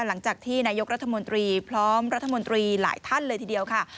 หลังจากที่นายกรัฐมนตรีพร้อมรัฐมนตรีหลายท่านเลยทีเดียวค่ะ